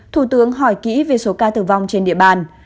thủ tướng hỏi kỹ về số ca tử vong trên địa bàn